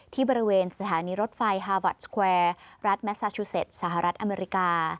ที่บริเวณสถานีรถไฟฮาวัชแควร์รัฐแมสซาชูเซ็ตสหรัฐอเมริกา